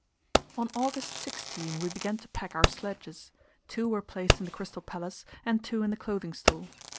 On August 16 we began to pack our sledges; two were placed in the Crystal Palace and two in the Clothing Store.